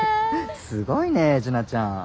すごいね樹奈ちゃん。